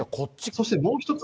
そしてもう一つ。